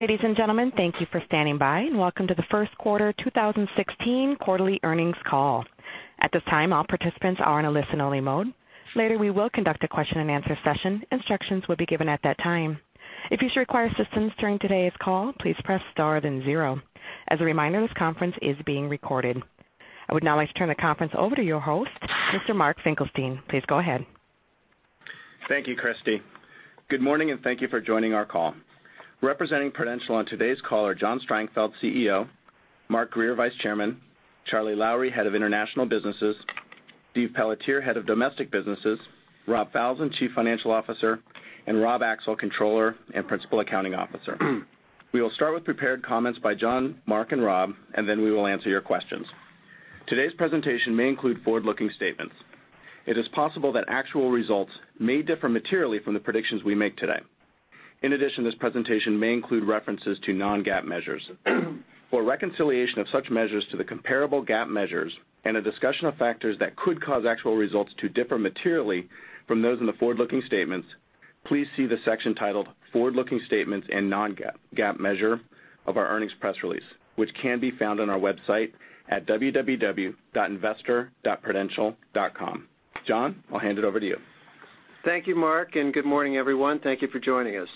Ladies and gentlemen, thank you for standing by, and welcome to the first quarter 2016 quarterly earnings call. At this time, all participants are in a listen-only mode. Later, we will conduct a question-and-answer session. Instructions will be given at that time. If you should require assistance during today's call, please press star then zero. As a reminder, this conference is being recorded. I would now like to turn the conference over to your host, Mr. Mark Finkelstein. Please go ahead. Thank you, Christy. Good morning, and thank you for joining our call. Representing Prudential on today's call are John Strangfeld, CEO; Mark Grier, Vice Chairman; Charlie Lowrey, Head of International Businesses; Steve Pelletier, Head of Domestic Businesses; Rob Falzon, Chief Financial Officer; and Rob Axel, Controller and Principal Accounting Officer. We will start with prepared comments by John, Mark, and Rob, and then we will answer your questions. Today's presentation may include forward-looking statements. It is possible that actual results may differ materially from the predictions we make today. In addition, this presentation may include references to non-GAAP measures. For a reconciliation of such measures to the comparable GAAP measures and a discussion of factors that could cause actual results to differ materially from those in the forward-looking statements, please see the section titled "Forward-Looking Statements and Non-GAAP Measure" of our earnings press release, which can be found on our website at www.investor.prudential.com. John, I'll hand it over to you. Thank you, Mark, and good morning, everyone. Thank you for joining us.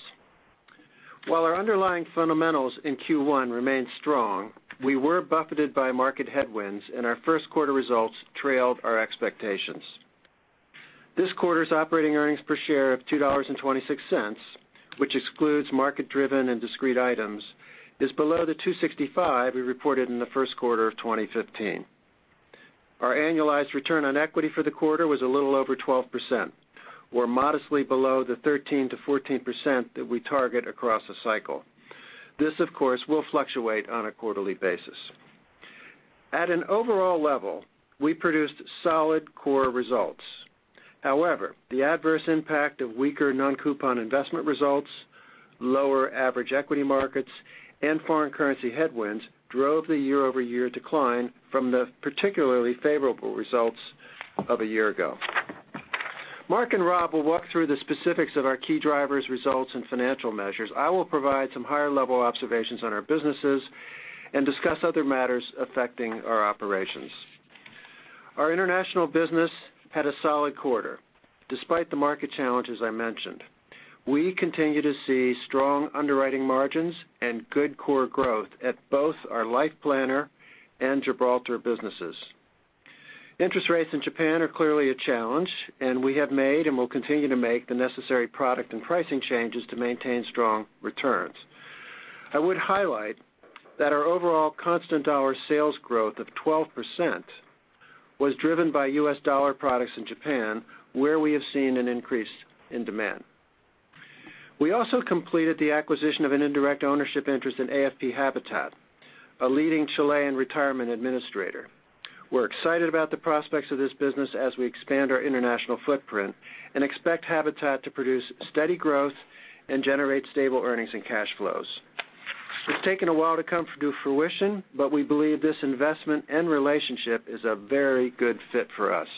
While our underlying fundamentals in Q1 remained strong, we were buffeted by market headwinds and our first quarter results trailed our expectations. This quarter's operating earnings per share of $2.26, which excludes market-driven and discrete items, is below the $2.65 we reported in the first quarter of 2015. Our annualized return on equity for the quarter was a little over 12%, or modestly below the 13%-14% that we target across the cycle. This, of course, will fluctuate on a quarterly basis. At an overall level, we produced solid core results. However, the adverse impact of weaker non-coupon investment results, lower average equity markets, and foreign currency headwinds drove the year-over-year decline from the particularly favorable results of a year ago. Mark and Rob will walk through the specifics of our key drivers, results, and financial measures. I will provide some higher-level observations on our businesses and discuss other matters affecting our operations. Our international business had a solid quarter despite the market challenges I mentioned. We continue to see strong underwriting margins and good core growth at both our Life Planner and Gibraltar businesses. Interest rates in Japan are clearly a challenge, and we have made and will continue to make the necessary product and pricing changes to maintain strong returns. I would highlight that our overall constant dollar sales growth of 12% was driven by U.S. dollar products in Japan, where we have seen an increase in demand. We also completed the acquisition of an indirect ownership interest in AFP Habitat, a leading Chilean retirement administrator. We're excited about the prospects of this business as we expand our international footprint and expect Habitat to produce steady growth and generate stable earnings and cash flows. It's taken a while to come to fruition, but we believe this investment and relationship is a very good fit for us.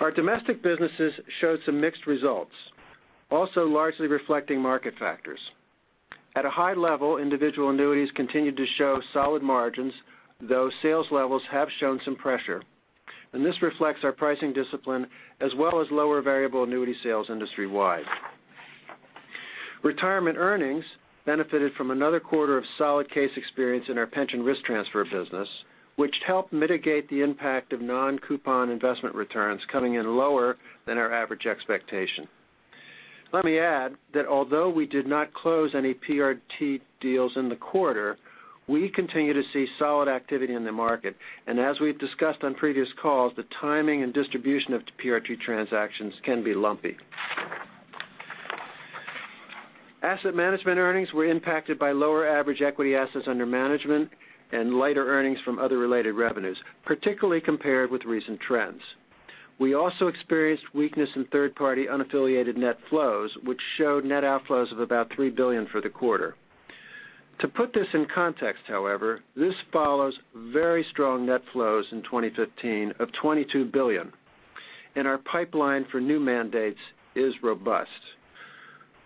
Our domestic businesses showed some mixed results, also largely reflecting market factors. At a high level, individual annuities continued to show solid margins, though sales levels have shown some pressure. This reflects our pricing discipline as well as lower variable annuity sales industry-wide. Retirement earnings benefited from another quarter of solid case experience in our pension risk transfer business, which helped mitigate the impact of non-coupon investment returns coming in lower than our average expectation. Let me add that although we did not close any PRT deals in the quarter, we continue to see solid activity in the market. As we've discussed on previous calls, the timing and distribution of PRT transactions can be lumpy. Asset management earnings were impacted by lower average equity assets under management and lighter earnings from other related revenues, particularly compared with recent trends. We also experienced weakness in third-party unaffiliated net flows, which showed net outflows of about $3 billion for the quarter. To put this in context, however, this follows very strong net flows in 2015 of $22 billion. Our pipeline for new mandates is robust.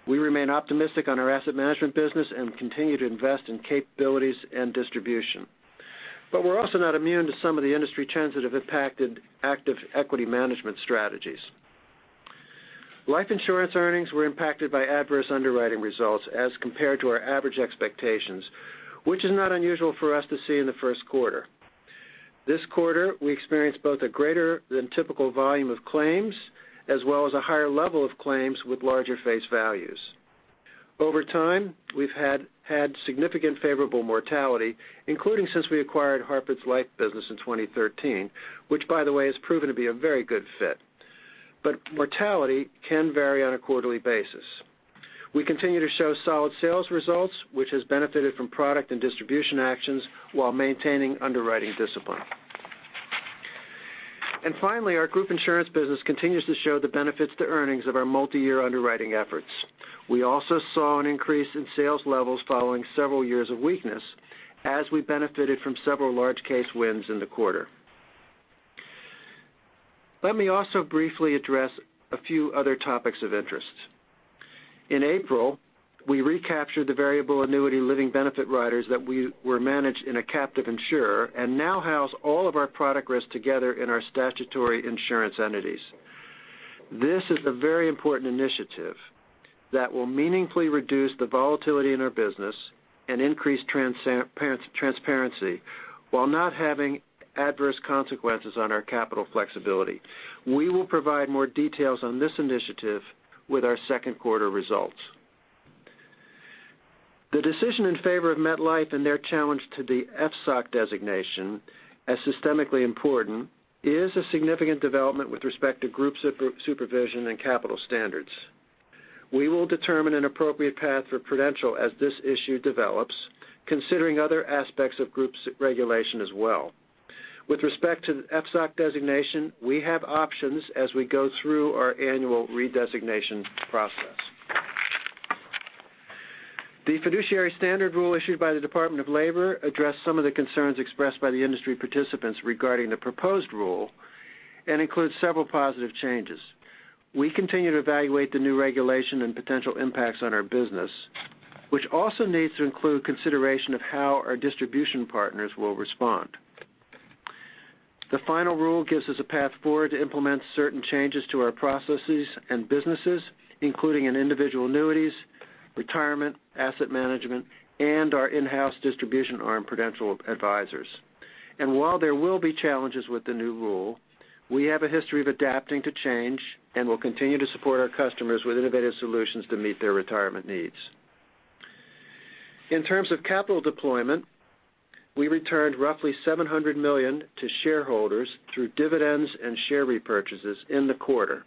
We remain optimistic on our asset management business and continue to invest in capabilities and distribution, but we're also not immune to some of the industry trends that have impacted active equity management strategies. Life insurance earnings were impacted by adverse underwriting results as compared to our average expectations, which is not unusual for us to see in the first quarter. This quarter, we experienced both a greater than typical volume of claims as well as a higher level of claims with larger face values. Over time, we've had significant favorable mortality, including since we acquired The Hartford's life business in 2013, which by the way, has proven to be a very good fit. Mortality can vary on a quarterly basis. We continue to show solid sales results, which has benefited from product and distribution actions while maintaining underwriting discipline. Finally, our group insurance business continues to show the benefits to earnings of our multi-year underwriting efforts. We also saw an increase in sales levels following several years of weakness as we benefited from several large case wins in the quarter. Let me also briefly address a few other topics of interest. In April, we recaptured the variable annuity living benefit riders that were managed in a captive insurer and now house all of our product risk together in our statutory insurance entities. This is a very important initiative that will meaningfully reduce the volatility in our business and increase transparency while not having adverse consequences on our capital flexibility. We will provide more details on this initiative with our second quarter results. The decision in favor of MetLife and their challenge to the FSOC designation as systemically important is a significant development with respect to group supervision and capital standards. We will determine an appropriate path for Prudential as this issue develops, considering other aspects of groups regulation as well. With respect to the FSOC designation, we have options as we go through our annual redesignation process. The fiduciary standard rule issued by the U.S. Department of Labor addressed some of the concerns expressed by the industry participants regarding the proposed rule and includes several positive changes. We continue to evaluate the new regulation and potential impacts on our business, which also needs to include consideration of how our distribution partners will respond. The final rule gives us a path forward to implement certain changes to our processes and businesses, including in individual annuities, retirement, asset management, and our in-house distribution arm, Prudential Advisors. While there will be challenges with the new rule, we have a history of adapting to change and will continue to support our customers with innovative solutions to meet their retirement needs. In terms of capital deployment, we returned roughly $700 million to shareholders through dividends and share repurchases in the quarter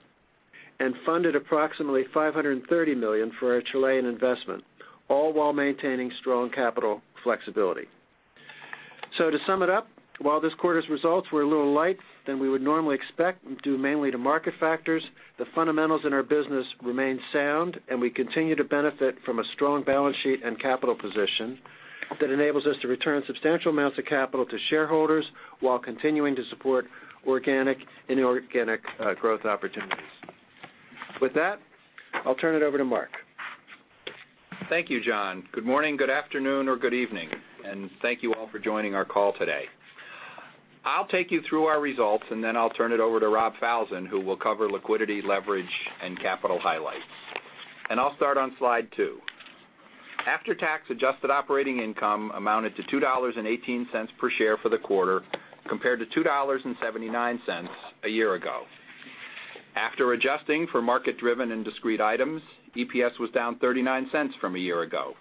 and funded approximately $530 million for our Chilean investment, all while maintaining strong capital flexibility. To sum it up, while this quarter's results were a little light than we would normally expect, due mainly to market factors, the fundamentals in our business remain sound, and we continue to benefit from a strong balance sheet and capital position that enables us to return substantial amounts of capital to shareholders while continuing to support organic and inorganic growth opportunities. With that, I'll turn it over to Mark. Thank you, John. Good morning, good afternoon, or good evening, and thank you all for joining our call today. I'll take you through our results, and then I'll turn it over to Rob Falzon, who will cover liquidity, leverage, and capital highlights. I'll start on slide two. After-tax adjusted operating income amounted to $2.18 per share for the quarter, compared to $2.79 a year ago. After adjusting for market-driven and discrete items, EPS was down $0.39 from a year ago.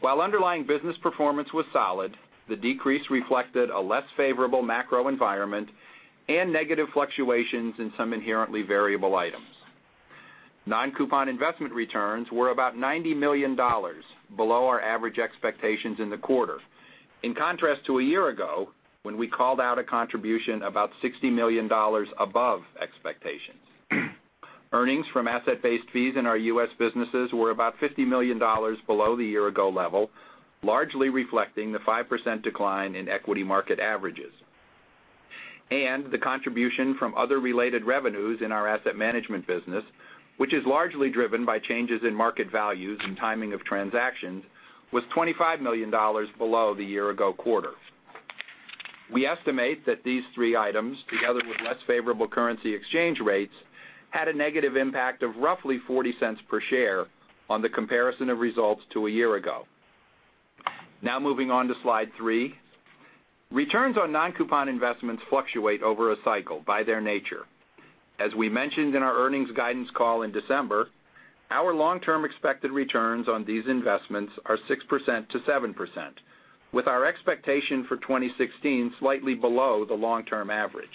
While underlying business performance was solid, the decrease reflected a less favorable macro environment and negative fluctuations in some inherently variable items. Non-coupon investment returns were about $90 million below our average expectations in the quarter. In contrast to a year ago, when we called out a contribution about $60 million above expectations. Earnings from asset-based fees in our U.S. businesses were about $50 million below the year-ago level, largely reflecting the 5% decline in equity market averages. The contribution from other related revenues in our asset management business, which is largely driven by changes in market values and timing of transactions, was $25 million below the year-ago quarter. We estimate that these three items, together with less favorable currency exchange rates, had a negative impact of roughly $0.40 per share on the comparison of results to a year ago. Now moving on to slide three. Returns on non-coupon investments fluctuate over a cycle by their nature. As we mentioned in our earnings guidance call in December, our long-term expected returns on these investments are 6% to 7%, with our expectation for 2016 slightly below the long-term average.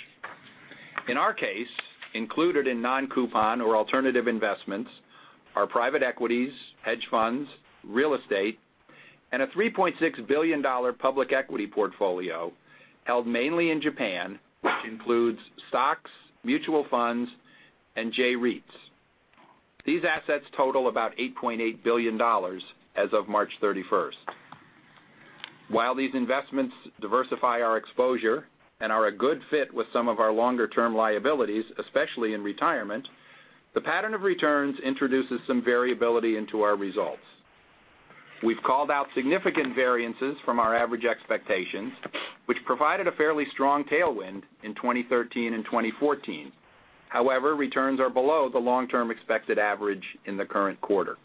In our case, included in non-coupon or alternative investments are private equities, hedge funds, real estate, and a $3.6 billion public equity portfolio held mainly in Japan, which includes stocks, mutual funds, and J-REITs. These assets total about $8.8 billion as of March 31st. While these investments diversify our exposure and are a good fit with some of our longer-term liabilities, especially in retirement, the pattern of returns introduces some variability into our results. We've called out significant variances from our average expectations, which provided a fairly strong tailwind in 2013 and 2014. However, returns are below the long-term expected average in the current quarter.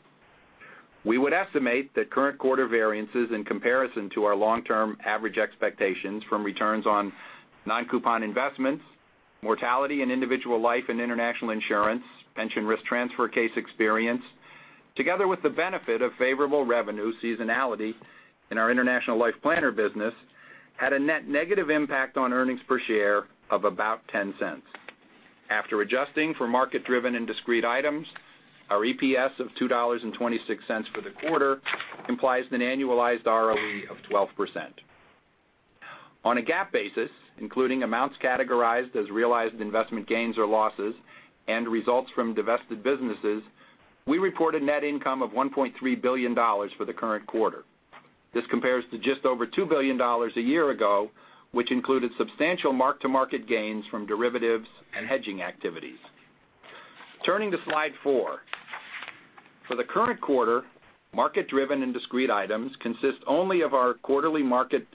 We would estimate that current quarter variances in comparison to our long-term average expectations from returns on non-coupon investments, mortality in individual life and international insurance, pension risk transfer case experience, together with the benefit of favorable revenue seasonality in our International Life Planner business, had a net negative impact on earnings per share of about $0.10. After adjusting for market-driven and discrete items, our EPS of $2.26 for the quarter implies an annualized ROE of 12%. On a GAAP basis, including amounts categorized as realized investment gains or losses and results from divested businesses, we reported net income of $1.3 billion for the current quarter. This compares to just over $2 billion a year ago, which included substantial mark-to-market gains from derivatives and hedging activities. Turning to slide four. For the current quarter, market-driven and discrete items consist only of our quarterly market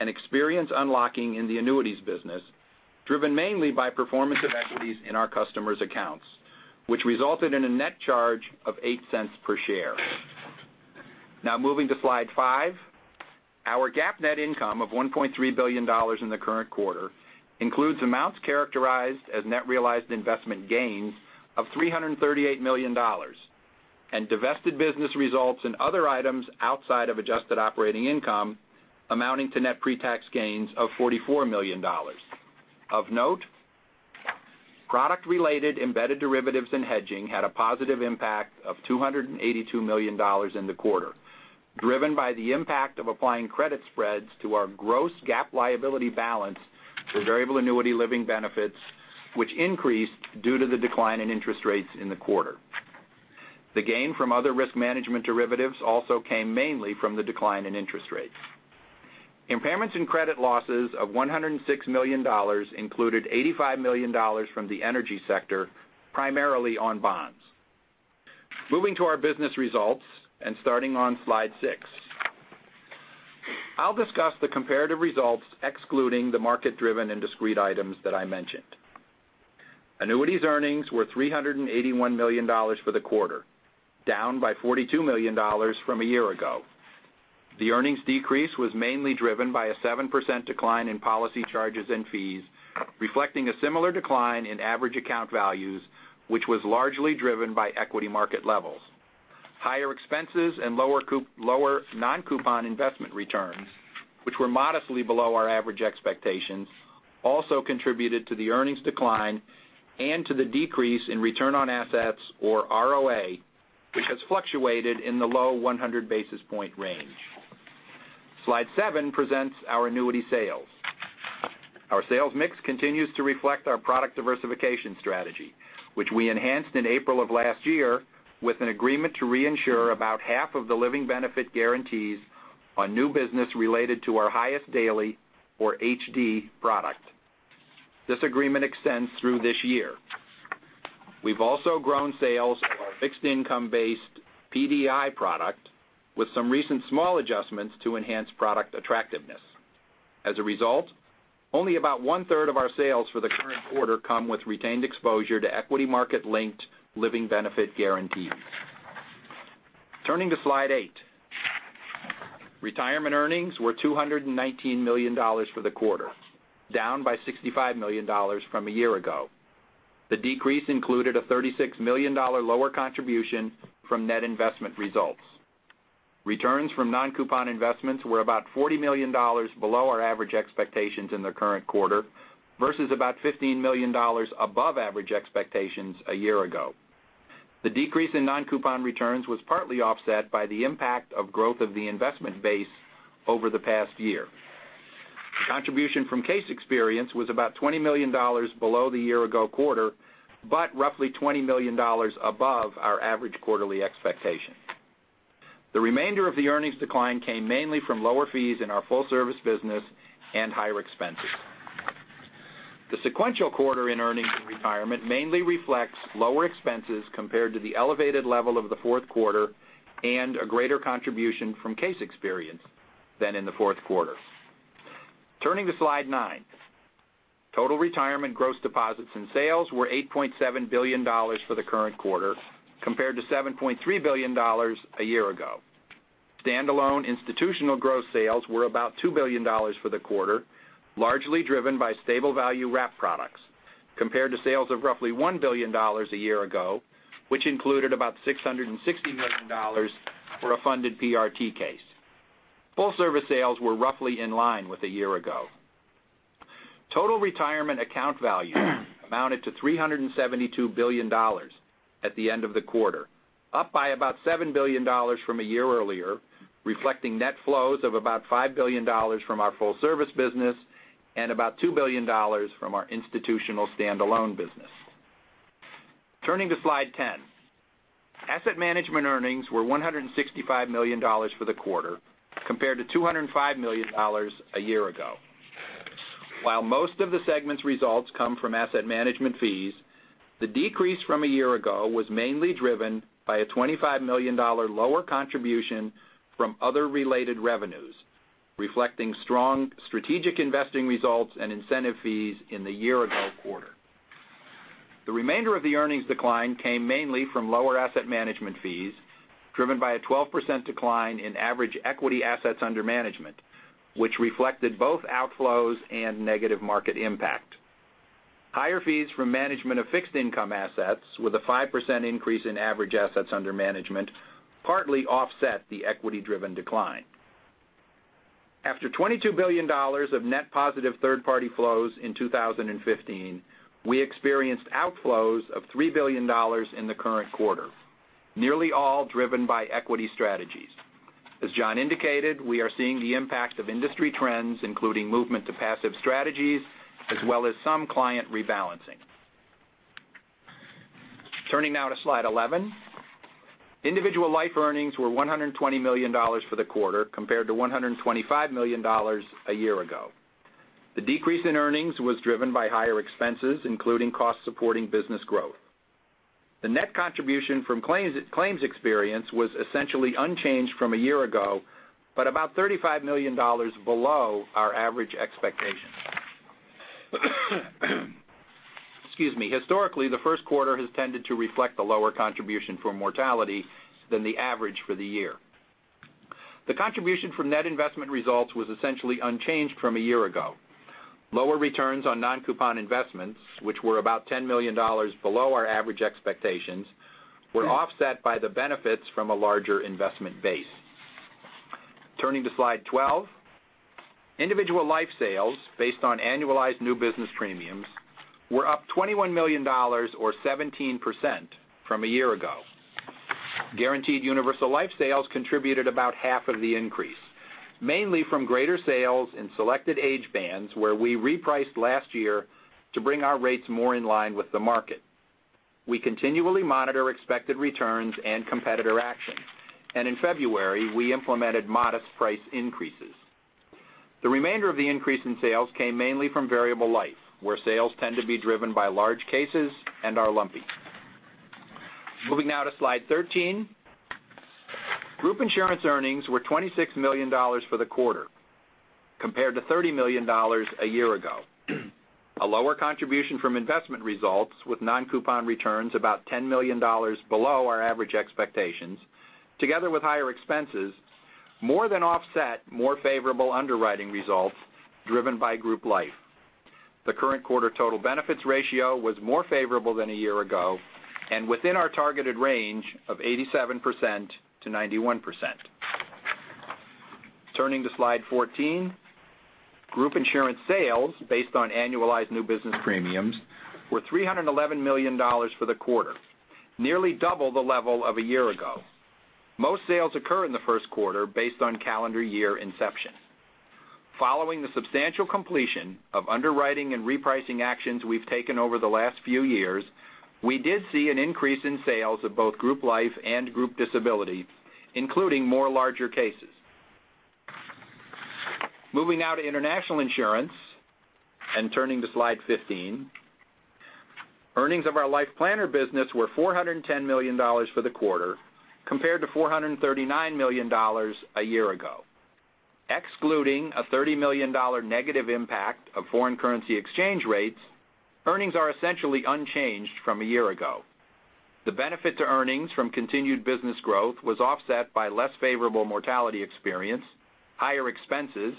and experience unlocking in the annuities business, driven mainly by performance of equities in our customers' accounts, which resulted in a net charge of $0.08 per share. Now moving to slide five. Our GAAP net income of $1.3 billion in the current quarter includes amounts characterized as net realized investment gains of $338 million and divested business results and other items outside of adjusted operating income amounting to net pretax gains of $44 million. Of note, product-related embedded derivatives and hedging had a positive impact of $282 million in the quarter, driven by the impact of applying credit spreads to our gross GAAP liability balance for variable annuity living benefits, which increased due to the decline in interest rates in the quarter. The gain from other risk management derivatives also came mainly from the decline in interest rates. Impairments and credit losses of $106 million included $85 million from the energy sector, primarily on bonds. Moving to our business results and starting on slide six. I will discuss the comparative results excluding the market-driven and discrete items that I mentioned. Annuities earnings were $381 million for the quarter, down by $42 million from a year ago. The earnings decrease was mainly driven by a 7% decline in policy charges and fees, reflecting a similar decline in average account values, which was largely driven by equity market levels. Higher expenses and lower non-coupon investment returns, which were modestly below our average expectations, also contributed to the earnings decline and to the decrease in return on assets, or ROA, which has fluctuated in the low 100 basis point range. Slide seven presents our annuity sales. Our sales mix continues to reflect our product diversification strategy, which we enhanced in April of last year with an agreement to reinsure about half of the living benefit guarantees on new business related to our Highest Daily or HD product. This agreement extends through this year. We have also grown sales of our fixed income-based PDI product with some recent small adjustments to enhance product attractiveness. As a result, only about one-third of our sales for the current quarter come with retained exposure to equity market-linked living benefit guarantees. Turning to slide eight. Retirement earnings were $219 million for the quarter, down by $65 million from a year ago. The decrease included a $36 million lower contribution from net investment results. Returns from non-coupon investments were about $40 million below our average expectations in the current quarter versus about $15 million above average expectations a year ago. The decrease in non-coupon returns was partly offset by the impact of growth of the investment base over the past year. Contribution from case experience was about $20 million below the year-ago quarter, but roughly $20 million above our average quarterly expectation. The remainder of the earnings decline came mainly from lower fees in our full service business and higher expenses. The sequential quarter in earnings and retirement mainly reflects lower expenses compared to the elevated level of the fourth quarter and a greater contribution from case experience than in the fourth quarter. Turning to slide nine. Total retirement gross deposits and sales were $8.7 billion for the current quarter compared to $7.3 billion a year ago. Standalone institutional gross sales were about $2 billion for the quarter, largely driven by stable value wrap products, compared to sales of roughly $1 billion a year ago, which included about $660 million for a funded PRT case. Full service sales were roughly in line with a year ago. Total retirement account value amounted to $372 billion at the end of the quarter, up by about $7 billion from a year earlier, reflecting net flows of about $5 billion from our full service business and about $2 billion from our institutional standalone business. Turning to slide 10. Asset management earnings were $165 million for the quarter, compared to $205 million a year ago. While most of the segment's results come from asset management fees, the decrease from a year ago was mainly driven by a $25 million lower contribution from other related revenues, reflecting strong strategic investing results and incentive fees in the year-ago quarter. The remainder of the earnings decline came mainly from lower asset management fees, driven by a 12% decline in average equity assets under management, which reflected both outflows and negative market impact. Higher fees from management of fixed income assets, with a 5% increase in average assets under management, partly offset the equity-driven decline. After $22 billion of net positive third-party flows in 2015, we experienced outflows of $3 billion in the current quarter, nearly all driven by equity strategies. As John indicated, we are seeing the impact of industry trends, including movement to passive strategies as well as some client rebalancing. Turning now to slide 11. Individual life earnings were $120 million for the quarter, compared to $125 million a year ago. The decrease in earnings was driven by higher expenses, including costs supporting business growth. The net contribution from claims experience was essentially unchanged from a year ago, but about $35 million below our average expectations. Excuse me. Historically, the first quarter has tended to reflect a lower contribution for mortality than the average for the year. The contribution from net investment results was essentially unchanged from a year ago. Lower returns on non-coupon investments, which were about $10 million below our average expectations, were offset by the benefits from a larger investment base. Turning to slide 12. Individual life sales, based on annualized new business premiums, were up $21 million or 17% from a year ago. Guaranteed universal life sales contributed about half of the increase, mainly from greater sales in selected age bands, where we repriced last year to bring our rates more in line with the market. We continually monitor expected returns and competitor action, and in February, we implemented modest price increases. The remainder of the increase in sales came mainly from variable life, where sales tend to be driven by large cases and are lumpy. Moving now to slide 13. Group insurance earnings were $26 million for the quarter compared to $30 million a year ago. A lower contribution from investment results with non-coupon returns about $10 million below our average expectations, together with higher expenses, more than offset more favorable underwriting results driven by group life. The current quarter total benefits ratio was more favorable than a year ago and within our targeted range of 87%-91%. Turning to slide 14. Group insurance sales, based on annualized new business premiums, were $311 million for the quarter, nearly double the level of a year ago. Most sales occur in the first quarter, based on calendar year inception. Following the substantial completion of underwriting and repricing actions we've taken over the last few years, we did see an increase in sales of both group life and group disability, including more larger cases. Moving now to international insurance and turning to slide 15. Earnings of our Life Planner business were $410 million for the quarter, compared to $439 million a year ago. Excluding a $30 million negative impact of foreign currency exchange rates, earnings are essentially unchanged from a year ago. The benefit to earnings from continued business growth was offset by less favorable mortality experience, higher expenses,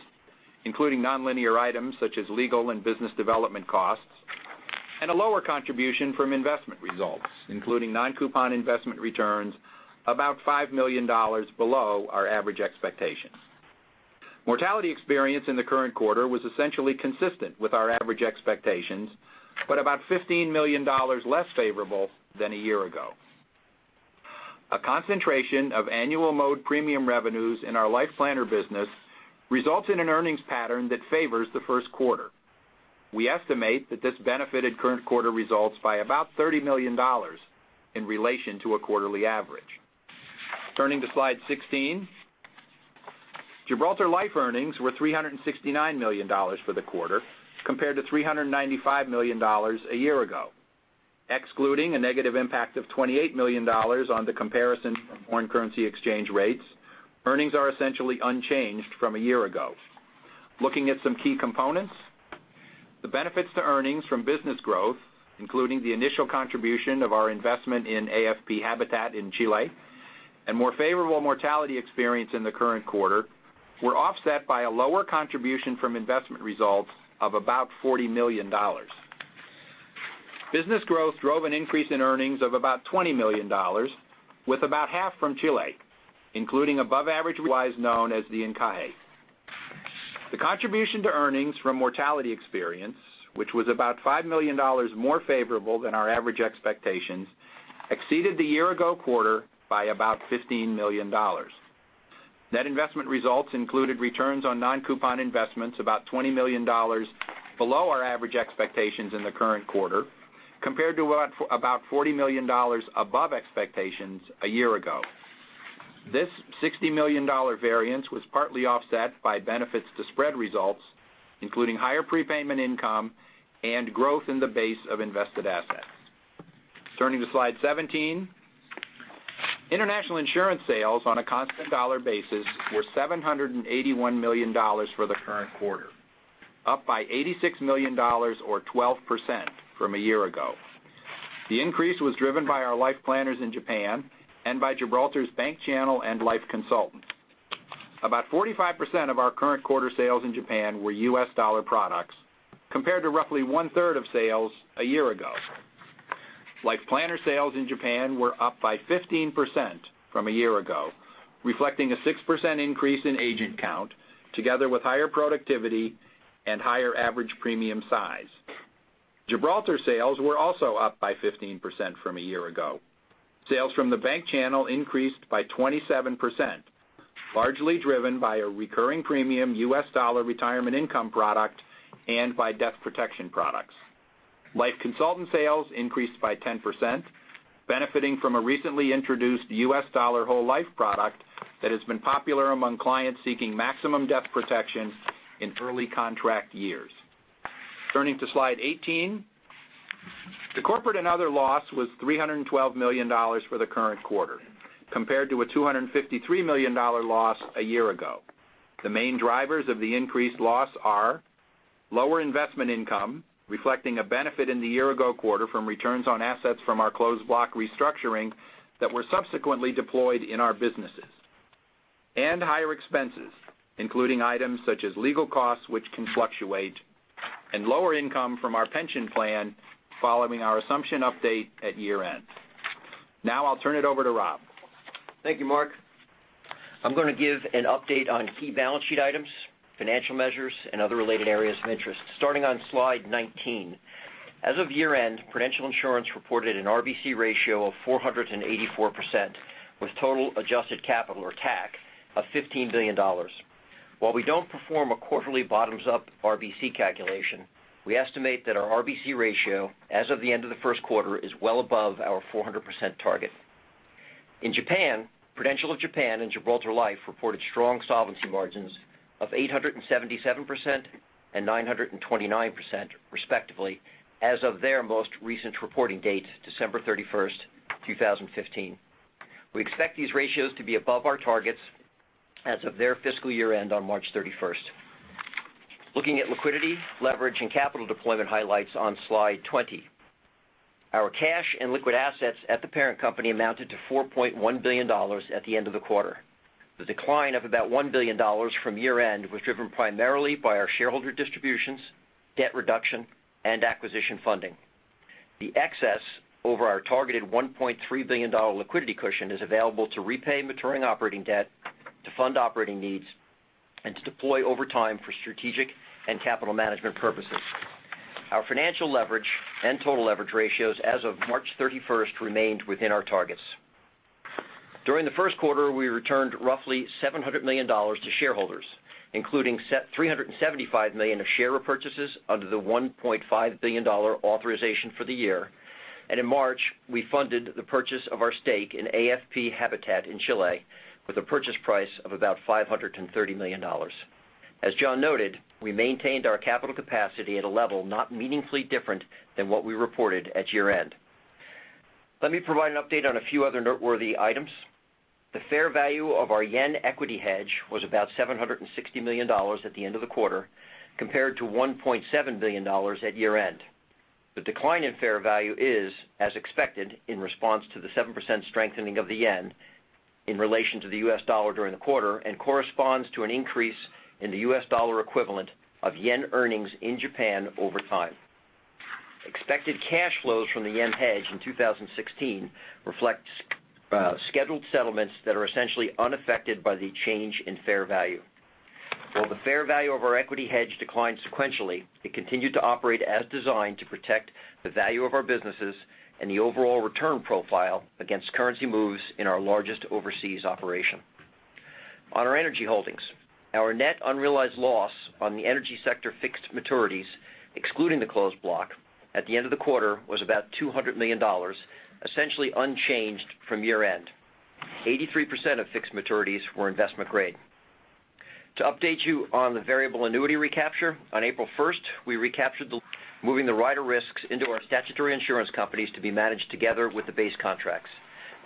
including nonlinear items such as legal and business development costs, and a lower contribution from investment results, including non-coupon investment returns about $5 million below our average expectations. Mortality experience in the current quarter was essentially consistent with our average expectations, but about $15 million less favorable than a year ago. A concentration of annual mode premium revenues in our Life Planner business results in an earnings pattern that favors the first quarter. We estimate that this benefited current quarter results by about $30 million in relation to a quarterly average. Turning to slide 16. Gibraltar Life earnings were $369 million for the quarter, compared to $395 million a year ago. Excluding a negative impact of $28 million on the comparison from foreign currency exchange rates, earnings are essentially unchanged from a year ago. Looking at some key components, the benefits to earnings from business growth, including the initial contribution of our investment in AFP Habitat in Chile and more favorable mortality experience in the current quarter, were offset by a lower contribution from investment results of about $40 million. Business growth drove an increase in earnings of about $20 million, with about half from Chile, including above average wise known as the encaje. The contribution to earnings from mortality experience, which was about $5 million more favorable than our average expectations, exceeded the year-ago quarter by about $15 million. Net investment results included returns on non-coupon investments about $20 million below our average expectations in the current quarter, compared to about $40 million above expectations a year ago. This $60 million variance was partly offset by benefits to spread results, including higher prepayment income and growth in the base of invested assets. Turning to slide 17. International insurance sales on a constant dollar basis were $781 million for the current quarter, up by $86 million or 12% from a year ago. The increase was driven by our Life Planners in Japan and by Gibraltar's bank channel and Life Consultant. About 45% of our current quarter sales in Japan were U.S. dollar products, compared to roughly 1/3 of sales a year ago. Life Planner sales in Japan were up by 15% from a year ago, reflecting a 6% increase in agent count, together with higher productivity and higher average premium size. Gibraltar sales were also up by 15% from a year ago. Sales from the bank channel increased by 27%, largely driven by a recurring premium U.S. dollar retirement income product and by debt protection products. Life Consultant sales increased by 10%, benefiting from a recently introduced U.S. dollar whole life product that has been popular among clients seeking maximum death protection in early contract years. Turning to slide 18. The corporate and other loss was $312 million for the current quarter, compared to a $253 million loss a year ago. The main drivers of the increased loss are lower investment income, reflecting a benefit in the year-ago quarter from returns on assets from our closed block restructuring that were subsequently deployed in our businesses, and higher expenses, including items such as legal costs which can fluctuate, and lower income from our pension plan following our assumption update at year-end. Now I'll turn it over to Rob. Thank you, Mark. I'm going to give an update on key balance sheet items, financial measures, and other related areas of interest, starting on slide 19. As of year-end, Prudential Insurance reported an RBC ratio of 484%, with total adjusted capital, or TAC, of $15 billion. While we don't perform a quarterly bottoms-up RBC calculation, we estimate that our RBC ratio as of the end of the first quarter is well above our 400% target. In Japan, Prudential of Japan and Gibraltar Life reported strong solvency margins of 877% and 929%, respectively, as of their most recent reporting date, December 31st, 2015. We expect these ratios to be above our targets as of their fiscal year-end on March 31st. Looking at liquidity, leverage, and capital deployment highlights on Slide 20. Our cash and liquid assets at the parent company amounted to $4.1 billion at the end of the quarter. The decline of about $1 billion from year-end was driven primarily by our shareholder distributions, debt reduction, and acquisition funding. The excess over our targeted $1.3 billion liquidity cushion is available to repay maturing operating debt, to fund operating needs, and to deploy over time for strategic and capital management purposes. Our financial leverage and total leverage ratios as of March 31st remained within our targets. During the first quarter, we returned roughly $700 million to shareholders, including $375 million of share repurchases under the $1.5 billion authorization for the year. In March, we funded the purchase of our stake in AFP Habitat in Chile with a purchase price of about $530 million. As John noted, we maintained our capital capacity at a level not meaningfully different than what we reported at year-end. Let me provide an update on a few other noteworthy items. The fair value of our yen equity hedge was about $760 million at the end of the quarter, compared to $1.7 billion at year-end. The decline in fair value is as expected in response to the 7% strengthening of the yen in relation to the U.S. dollar during the quarter and corresponds to an increase in the U.S. dollar equivalent of yen earnings in Japan over time. Expected cash flows from the yen hedge in 2016 reflect scheduled settlements that are essentially unaffected by the change in fair value. While the fair value of our equity hedge declined sequentially, it continued to operate as designed to protect the value of our businesses and the overall return profile against currency moves in our largest overseas operation. On our energy holdings, our net unrealized loss on the energy sector fixed maturities, excluding the closed block, at the end of the quarter was about $200 million, essentially unchanged from year-end. 83% of fixed maturities were investment grade. To update you on the variable annuity recapture, on April 1st, we recaptured the moving the rider risks into our statutory insurance companies to be managed together with the base contracts.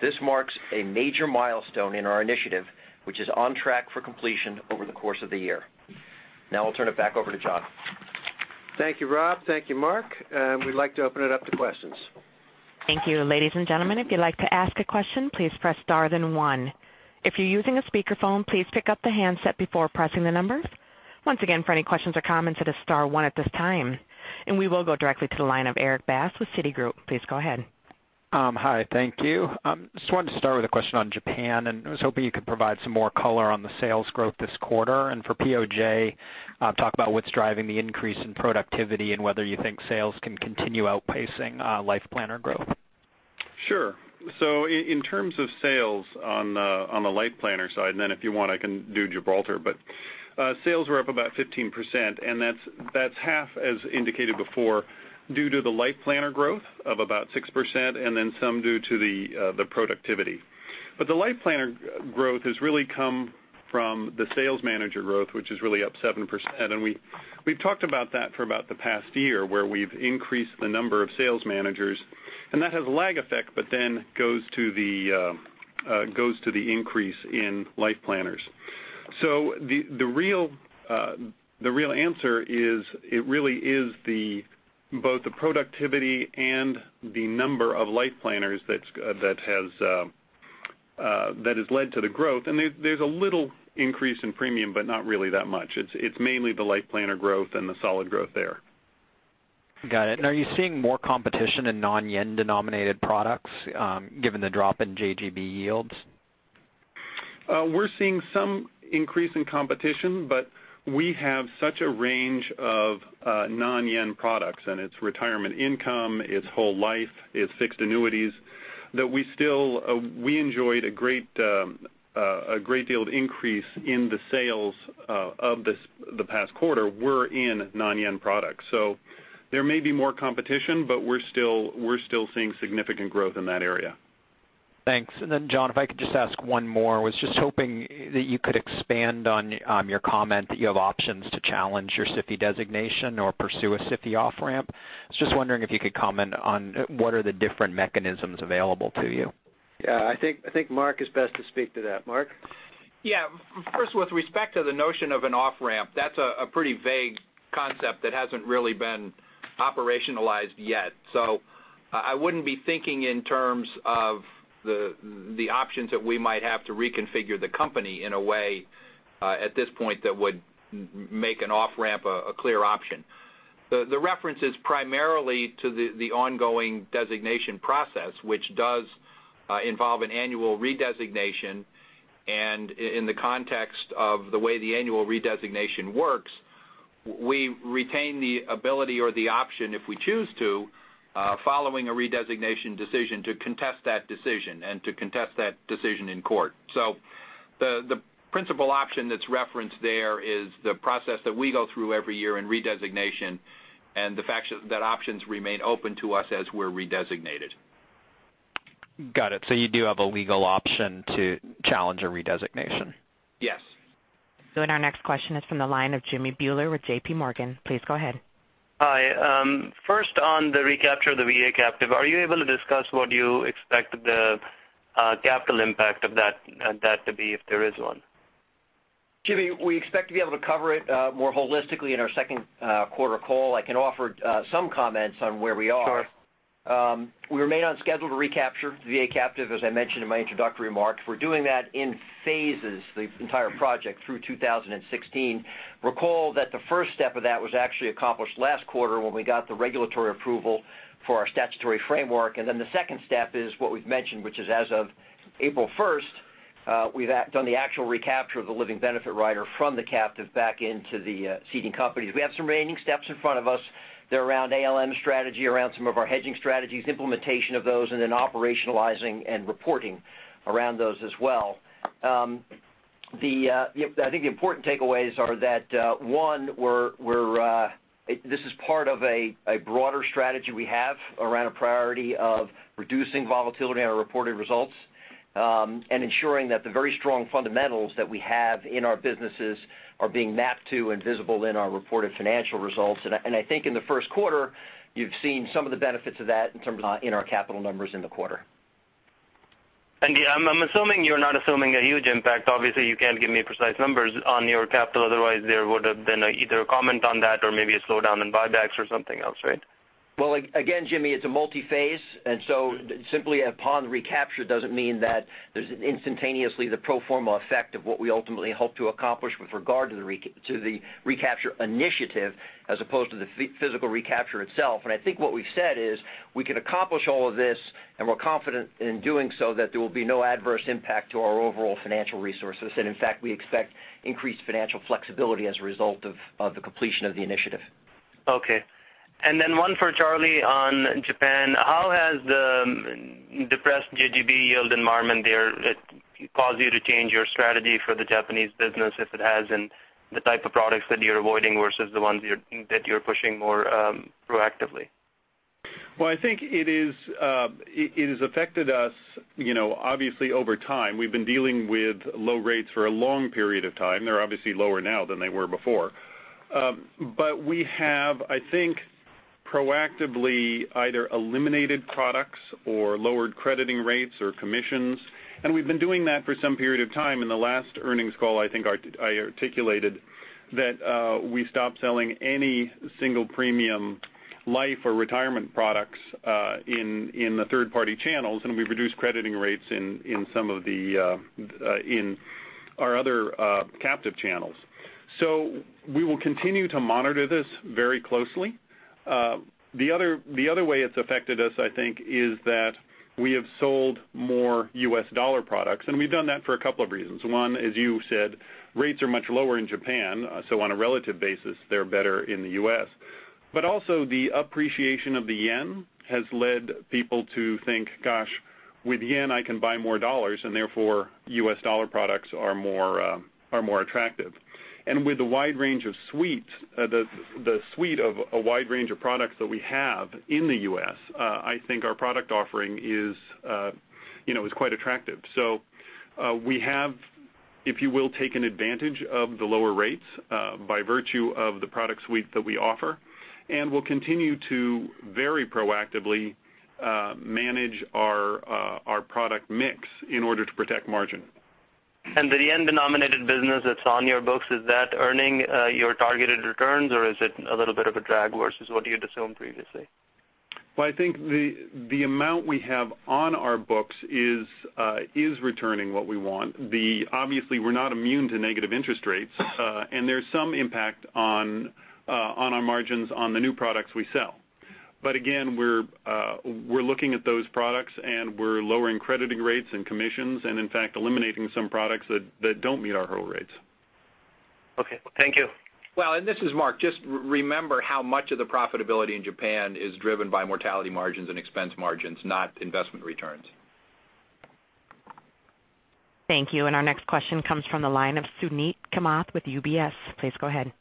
This marks a major milestone in our initiative, which is on track for completion over the course of the year. I'll turn it back over to John. Thank you, Rob. Thank you, Mark. We'd like to open it up to questions. Thank you. Ladies and gentlemen, if you'd like to ask a question, please press star then one. If you're using a speakerphone, please pick up the handset before pressing the numbers. Once again, for any questions or comments, it is star one at this time. We will go directly to the line of Erik Bass with Citigroup. Please go ahead. Hi, thank you. Just wanted to start with a question on Japan, I was hoping you could provide some more color on the sales growth this quarter. For POJ, talk about what's driving the increase in productivity and whether you think sales can continue outpacing Life Planner growth. Sure. In terms of sales on the Life Planner side, and then if you want, I can do Gibraltar, but sales were up about 15%, and that's half, as indicated before, due to the Life Planner growth of about 6% and then some due to the productivity. The Life Planner growth has really come from the sales manager growth, which is really up 7%. We've talked about that for about the past year, where we've increased the number of sales managers, and that has a lag effect, but then goes to the increase in Life Planners. The real answer is it really is both the productivity and the number of Life Planners that has led to the growth. There's a little increase in premium, but not really that much. It's mainly the Life Planner growth and the solid growth there. Got it. Are you seeing more competition in non-yen-denominated products given the drop in JGB yields? We're seeing some increase in competition, but we have such a range of non-yen products, and it's retirement income, it's whole life, it's fixed annuities that we enjoyed a great deal of increase in the sales of the past quarter were in non-yen products. There may be more competition, but we're still seeing significant growth in that area. Thanks. John, if I could just ask one more. I was just hoping that you could expand on your comment that you have options to challenge your SIFI designation or pursue a SIFI off-ramp. I was just wondering if you could comment on what are the different mechanisms available to you. Yeah, I think Mark is best to speak to that. Mark? Yeah. First, with respect to the notion of an off-ramp, that's a pretty vague concept that hasn't really been operationalized yet. I wouldn't be thinking in terms of the options that we might have to reconfigure the company in a way, at this point, that would make an off-ramp a clear option. The reference is primarily to the ongoing designation process, which does involve an annual redesignation, and in the context of the way the annual redesignation works, we retain the ability or the option, if we choose to, following a redesignation decision, to contest that decision and to contest that decision in court. The principal option that's referenced there is the process that we go through every year in redesignation and the fact that options remain open to us as we're redesignated. Got it. You do have a legal option to challenge a redesignation? Yes. Our next question is from the line of Jimmy Bhullar with J.P. Morgan. Please go ahead. Hi. First on the recapture of the VA captive, are you able to discuss what you expect the capital impact of that to be if there is one? Jimmy, we expect to be able to cover it more holistically in our second quarter call. I can offer some comments on where we are. Sure. We remain on schedule to recapture VA captive, as I mentioned in my introductory remarks. We're doing that in phases, the entire project through 2016. Recall that the first step of that was actually accomplished last quarter when we got the regulatory approval for our statutory framework. The second step is what we've mentioned, which is as of April 1st, we've done the actual recapture of the living benefit rider from the captive back into the seeding companies. We have some remaining steps in front of us. They're around ALM strategy, around some of our hedging strategies, implementation of those, and then operationalizing and reporting around those as well. I think the important takeaways are that, one, this is part of a broader strategy we have around a priority of reducing volatility in our reported results, and ensuring that the very strong fundamentals that we have in our businesses are being mapped to and visible in our reported financial results. I think in the first quarter, you've seen some of the benefits of that in terms of in our capital numbers in the quarter. I'm assuming you're not assuming a huge impact. Obviously, you can't give me precise numbers on your capital, otherwise there would have been either a comment on that or maybe a slowdown in buybacks or something else, right? Well, again, Jimmy, it's a multi-phase, and so simply upon recapture doesn't mean that there's instantaneously the pro forma effect of what we ultimately hope to accomplish with regard to the recapture initiative as opposed to the physical recapture itself. I think what we've said is we can accomplish all of this and we're confident in doing so that there will be no adverse impact to our overall financial resources. In fact, we expect increased financial flexibility as a result of the completion of the initiative. Okay. Then one for Charlie on Japan. How has the depressed JGB yield environment there caused you to change your strategy for the Japanese business if it has, and the type of products that you're avoiding versus the ones that you're pushing more proactively? Well, I think it has affected us obviously over time. We've been dealing with low rates for a long period of time. They're obviously lower now than they were before. We have, I think, proactively either eliminated products or lowered crediting rates or commissions, and we've been doing that for some period of time. In the last earnings call, I think I articulated that we stopped selling any single premium life or retirement products in the third-party channels, and we've reduced crediting rates in our other captive channels. We will continue to monitor this very closely. The other way it's affected us, I think, is that we have sold more U.S. dollar products, and we've done that for a couple of reasons. One, as you said, rates are much lower in Japan, so on a relative basis, they're better in the U.S. Also the appreciation of the yen has led people to think, gosh, with yen, I can buy more dollars, and therefore U.S. dollar products are more attractive. With the suite of a wide range of products that we have in the U.S., I think our product offering is quite attractive. We have, if you will, taken advantage of the lower rates by virtue of the product suite that we offer, and we'll continue to very proactively manage our product mix in order to protect margin. The JPY-denominated business that's on your books, is that earning your targeted returns or is it a little bit of a drag versus what you had assumed previously? Well, I think the amount we have on our books is returning what we want. Obviously, we're not immune to negative interest rates, and there's some impact on our margins on the new products we sell. Again, we're looking at those products, and we're lowering crediting rates and commissions, and in fact, eliminating some products that don't meet our hurdle rates. Okay. Thank you. Well, this is Mark. Just remember how much of the profitability in Japan is driven by mortality margins and expense margins, not investment returns. Thank you. Our next question comes from the line of Suneet Kamath with UBS. Please go ahead.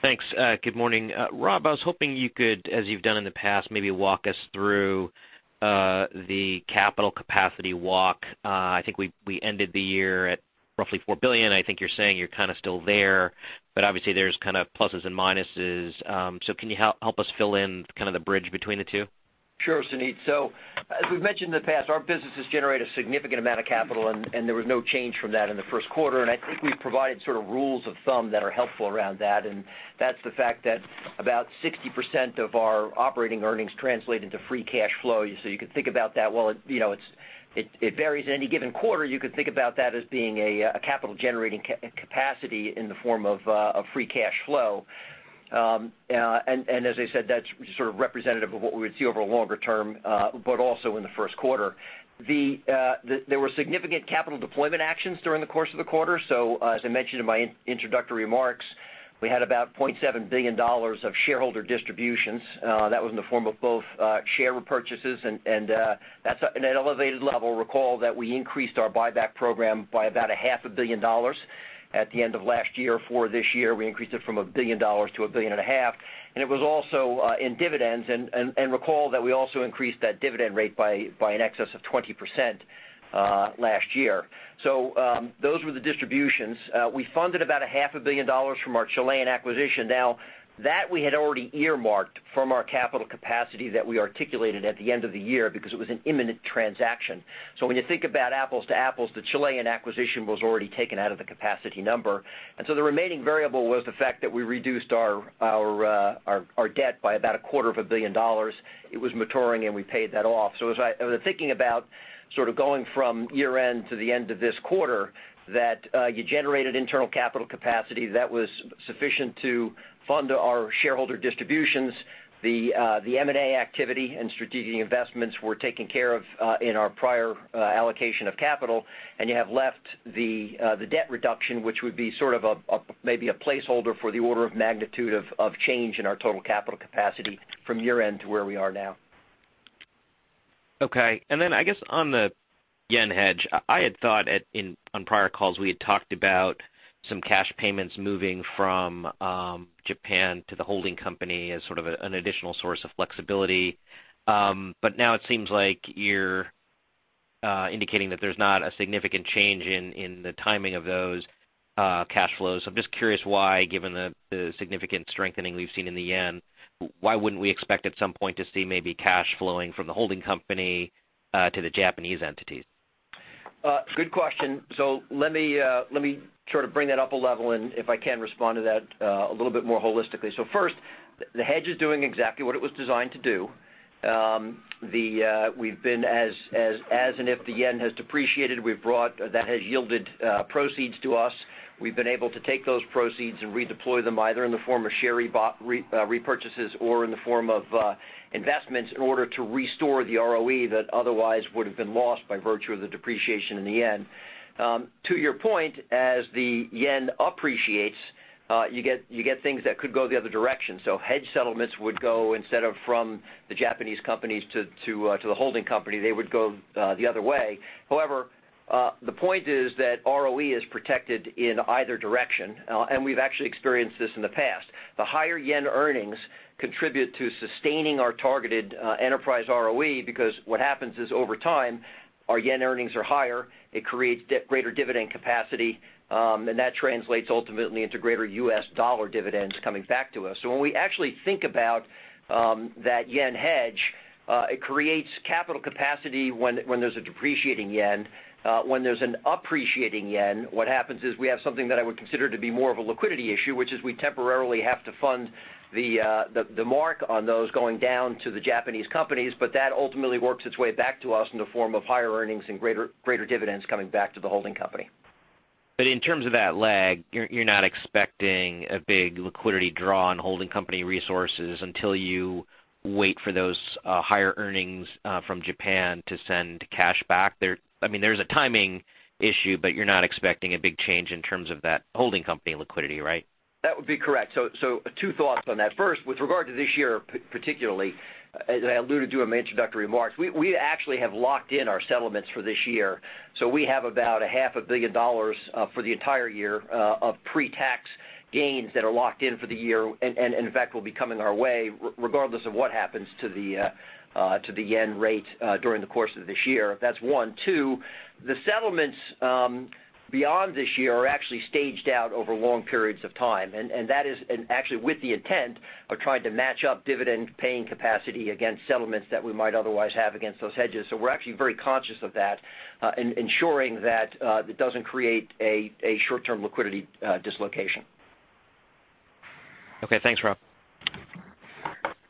Thanks. Good morning. Rob, I was hoping you could, as you've done in the past, maybe walk us through the capital capacity walk. I think we ended the year at roughly $4 billion. I think you're saying you're kind of still there, but obviously there's kind of pluses and minuses. Can you help us fill in kind of the bridge between the two? Sure, Suneet. As we've mentioned in the past, our businesses generate a significant amount of capital, and there was no change from that in the first quarter. I think we've provided sort of rules of thumb that are helpful around that, and that's the fact that about 60% of our operating earnings translate into free cash flow. You could think about that while it varies in any given quarter, you could think about that as being a capital-generating capacity in the form of free cash flow. As I said, that's sort of representative of what we would see over a longer term, but also in the first quarter. There were significant capital deployment actions during the course of the quarter. As I mentioned in my introductory remarks, we had about $0.7 billion of shareholder distributions. That was in the form of both share repurchases, and that's at an elevated level. Recall that we increased our buyback program by about a half a billion dollars at the end of last year for this year. We increased it from a billion dollars to a billion and a half. It was also in dividends. Recall that we also increased that dividend rate by an excess of 20% last year. Those were the distributions. We funded about a half a billion dollars from our Chilean acquisition. That we had already earmarked from our capital capacity that we articulated at the end of the year because it was an imminent transaction. When you think about apples to apples, the Chilean acquisition was already taken out of the capacity number. The remaining variable was the fact that we reduced our debt by about a quarter of a billion dollars. It was maturing, and we paid that off. As I was thinking about sort of going from year-end to the end of this quarter, that you generated internal capital capacity that was sufficient to fund our shareholder distributions. The M&A activity and strategic investments were taken care of in our prior allocation of capital. You have left the debt reduction, which would be sort of maybe a placeholder for the order of magnitude of change in our total capital capacity from year-end to where we are now. I guess on the yen hedge, I had thought on prior calls we had talked about some cash payments moving from Japan to the holding company as sort of an additional source of flexibility. But now it seems like you're indicating that there's not a significant change in the timing of those cash flows. I'm just curious why, given the significant strengthening we've seen in the yen, why wouldn't we expect at some point to see maybe cash flowing from the holding company to the Japanese entities? Good question. Let me sort of bring that up a level and if I can, respond to that a little bit more holistically. First, the hedge is doing exactly what it was designed to do. As and if the yen has depreciated, that has yielded proceeds to us. We've been able to take those proceeds and redeploy them either in the form of share repurchases or in the form of investments in order to restore the ROE that otherwise would have been lost by virtue of the depreciation in the yen. To your point, as the yen appreciates, you get things that could go the other direction. Hedge settlements would go instead of from the Japanese companies to the holding company, they would go the other way. However, the point is that ROE is protected in either direction, and we've actually experienced this in the past. The higher yen earnings contribute to sustaining our targeted enterprise ROE because what happens is, over time, our yen earnings are higher, it creates greater dividend capacity, and that translates ultimately into greater US dollar dividends coming back to us. When we actually think about that yen hedge, it creates capital capacity when there's a depreciating yen. When there's an appreciating yen, what happens is we have something that I would consider to be more of a liquidity issue, which is we temporarily have to fund the mark on those going down to the Japanese companies. But that ultimately works its way back to us in the form of higher earnings and greater dividends coming back to the holding company. In terms of that lag, you're not expecting a big liquidity draw on holding company resources until you wait for those higher earnings from Japan to send cash back there? There's a timing issue, but you're not expecting a big change in terms of that holding company liquidity, right? That would be correct. Two thoughts on that. First, with regard to this year particularly, as I alluded to in my introductory remarks, we actually have locked in our settlements for this year. We have about a half a billion dollars for the entire year of pre-tax gains that are locked in for the year, and in fact, will be coming our way regardless of what happens to the yen rate during the course of this year. That's one. Two, the settlements beyond this year are actually staged out over long periods of time, and that is actually with the intent of trying to match up dividend-paying capacity against settlements that we might otherwise have against those hedges. We're actually very conscious of that in ensuring that it doesn't create a short-term liquidity dislocation. Thanks, Rob.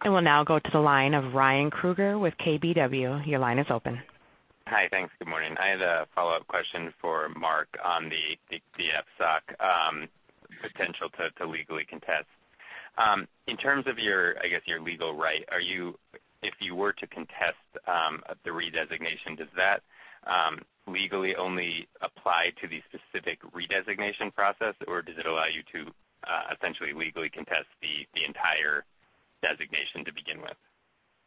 I will now go to the line of Ryan Krueger with KBW. Your line is open. Hi. Thanks. Good morning. I had a follow-up question for Mark on the FSOC potential to legally contest. In terms of your legal right, if you were to contest the redesignation, does that legally only apply to the specific redesignation process, or does it allow you to essentially legally contest the entire designation to begin with?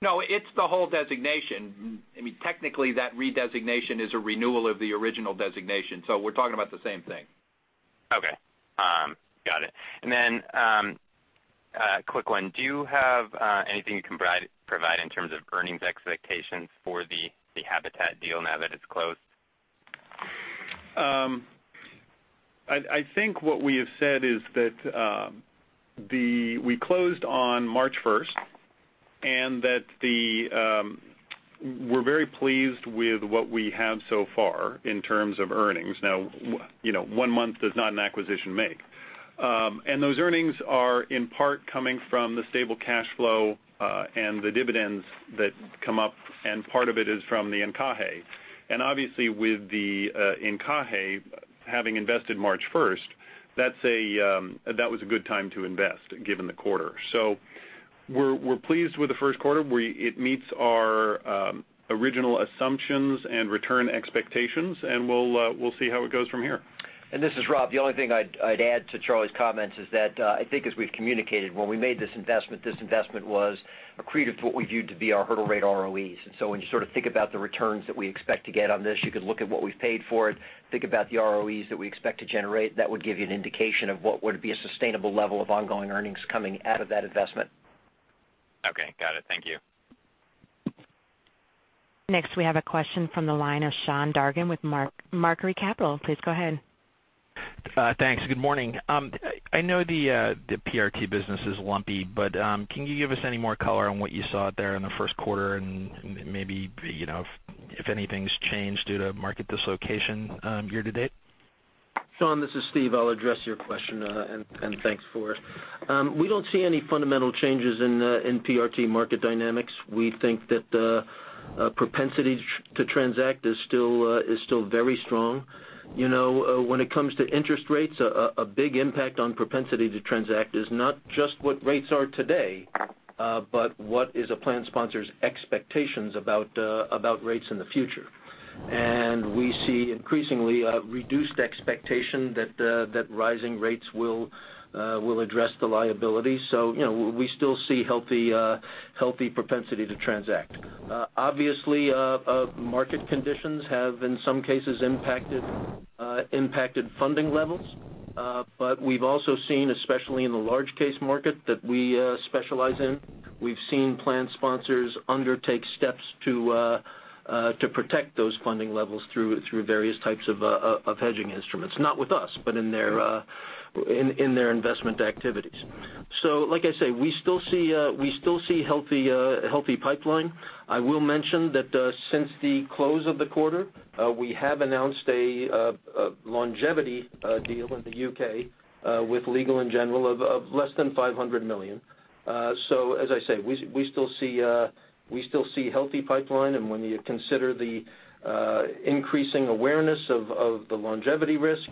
No, it's the whole designation. Technically, that redesignation is a renewal of the original designation, so we're talking about the same thing. Okay. Got it. A quick one. Do you have anything you can provide in terms of earnings expectations for the Habitat deal now that it's closed? I think what we have said is that we closed on March 1st, and that we're very pleased with what we have so far in terms of earnings. Now, one month does not an acquisition make. Those earnings are in part coming from the stable cash flow and the dividends that come up, and part of it is from the encaje. Obviously with the encaje, having invested March 1st, that was a good time to invest given the quarter. We're pleased with the first quarter. It meets our original assumptions and return expectations, and we'll see how it goes from here. This is Rob. The only thing I'd add to Charlie's comments is that I think as we've communicated, when we made this investment, this investment was accretive to what we viewed to be our hurdle rate ROEs. When you think about the returns that we expect to get on this, you could look at what we've paid for it, think about the ROEs that we expect to generate. That would give you an indication of what would be a sustainable level of ongoing earnings coming out of that investment. Okay. Got it. Thank you. Next, we have a question from the line of Sean Dargan with Macquarie Capital. Please go ahead. Thanks. Good morning. I know the PRT business is lumpy, but can you give us any more color on what you saw there in the first quarter and maybe if anything's changed due to market dislocation year to date? Sean, this is Steve. I will address your question and thanks for it. We do not see any fundamental changes in PRT market dynamics. We think that the propensity to transact is still very strong. When it comes to interest rates, a big impact on propensity to transact is not just what rates are today, but what is a plan sponsor's expectations about rates in the future. We see increasingly a reduced expectation that rising rates will address the liability. We still see healthy propensity to transact. Obviously, market conditions have, in some cases, impacted funding levels. We have also seen, especially in the large case market that we specialize in, we have seen plan sponsors undertake steps to protect those funding levels through various types of hedging instruments, not with us, but in their investment activities. Like I say, we still see a healthy pipeline. I will mention that since the close of the quarter, we have announced a longevity deal in the U.K. with Legal & General of less than $500 million. As I say, we still see a healthy pipeline, and when you consider the increasing awareness of the longevity risk,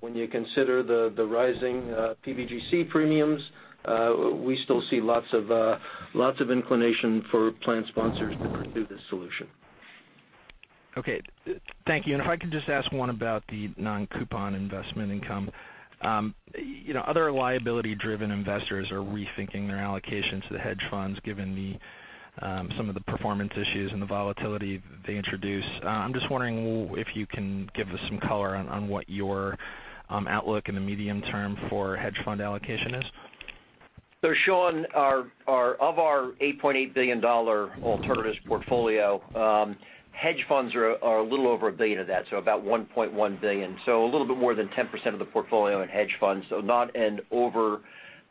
when you consider the rising PBGC premiums, we still see lots of inclination for plan sponsors to pursue this solution. Okay. Thank you. If I could just ask one about the non-coupon investment income. Other liability-driven investors are rethinking their allocations to the hedge funds given some of the performance issues and the volatility they introduce. I am just wondering if you can give us some color on what your outlook in the medium term for hedge fund allocation is. Sean, of our $8.8 billion alternatives portfolio, hedge funds are a little over $1 billion of that, so about $1.1 billion. A little bit more than 10% of the portfolio in hedge funds, so not an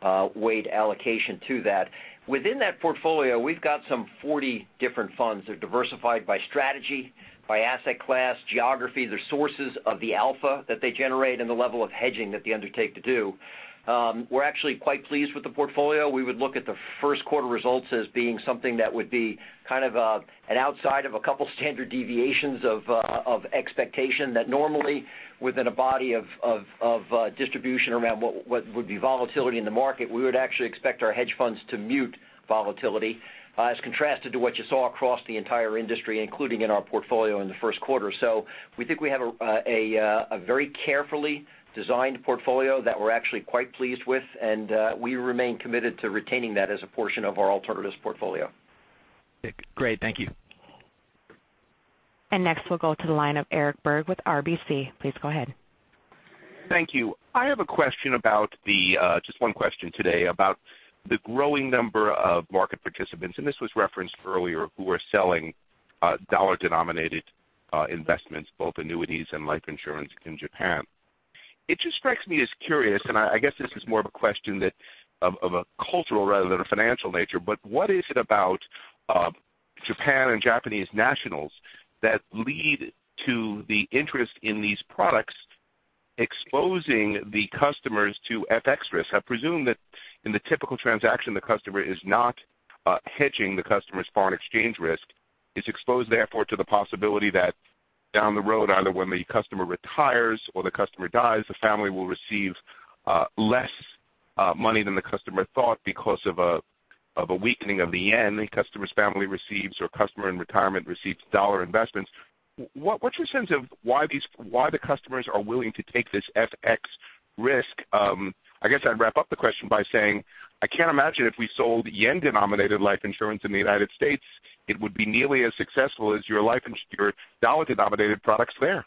overweight allocation to that. Within that portfolio, we have got some 40 different funds. They are diversified by strategy, by asset class, geography. They are sources of the alpha that they generate and the level of hedging that they undertake to do. We are actually quite pleased with the portfolio. We would look at the first quarter results as being something that would be kind of an outside of a couple standard deviations of expectation that normally within a body of distribution around what would be volatility in the market, we would actually expect our hedge funds to mute volatility as contrasted to what you saw across the entire industry, including in our portfolio in the first quarter. We think we have a very carefully designed portfolio that we're actually quite pleased with, and we remain committed to retaining that as a portion of our alternatives portfolio. Great. Thank you. Next, we'll go to the line of Eric Berg with RBC. Please go ahead. Thank you. I have just one question today about the growing number of market participants, and this was referenced earlier, who are selling dollar-denominated investments, both annuities and life insurance in Japan. It just strikes me as curious, and I guess this is more of a question of a cultural rather than a financial nature, but what is it about Japan and Japanese nationals that lead to the interest in these products? Exposing the customers to FX risk. I presume that in the typical transaction, the customer is not hedging the customer's foreign exchange risk. It's exposed, therefore, to the possibility that down the road, either when the customer retires or the customer dies, the family will receive less money than the customer thought because of a weakening of the yen. The customer's family receives, or customer in retirement receives dollar investments. What's your sense of why the customers are willing to take this FX risk? I guess I'd wrap up the question by saying, I can't imagine if we sold yen-denominated life insurance in the U.S., it would be nearly as successful as your life insurer dollar-denominated products there.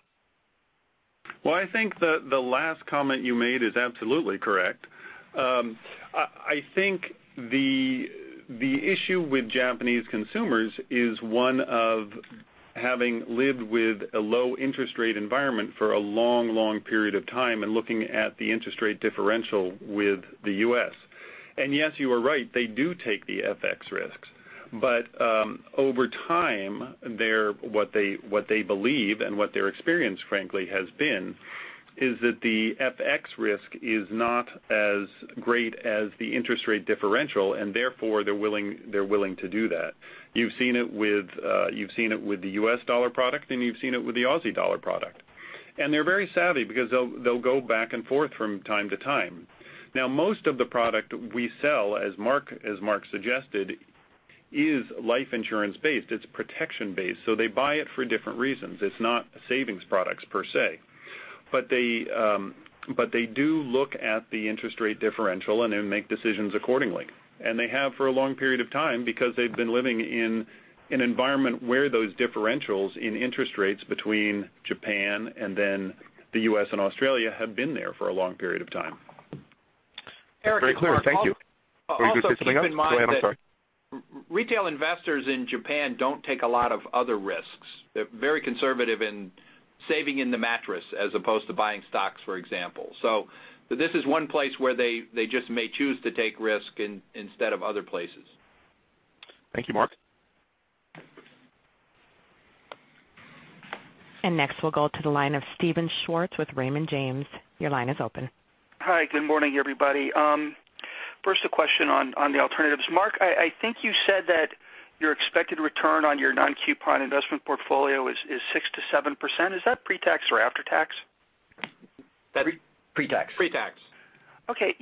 Well, I think the last comment you made is absolutely correct. I think the issue with Japanese consumers is one of having lived with a low interest rate environment for a long period of time and looking at the interest rate differential with the U.S. Yes, you are right, they do take the FX risks. Over time, what they believe and what their experience frankly has been, is that the FX risk is not as great as the interest rate differential, and therefore they're willing to do that. You've seen it with the U.S. dollar product, and you've seen it with the Aussie dollar product. They're very savvy because they'll go back and forth from time to time. Now, most of the product we sell, as Mark suggested, is life insurance based. It's protection based. They buy it for different reasons. It's not savings products per se. They do look at the interest rate differential and then make decisions accordingly. They have for a long period of time because they've been living in an environment where those differentials in interest rates between Japan and then the U.S. and Australia have been there for a long period of time. Very clear. Thank you. Eric and Mark. Were you going to say something else? Go ahead, I'm sorry. Also keep in mind that retail investors in Japan don't take a lot of other risks. They're very conservative in saving in the mattress as opposed to buying stocks, for example. This is one place where they just may choose to take risk instead of other places. Thank you, Mark. Next, we'll go to the line of Steven Schwartz with Raymond James. Your line is open. Hi. Good morning, everybody. First, a question on the alternatives. Mark, I think you said that your expected return on your non-coupon investment portfolio is 6%-7%. Is that pre-tax or after-tax? Pre-tax. Pre-tax. Okay.